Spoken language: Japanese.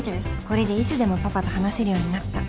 これでいつでもパパと話せるようになった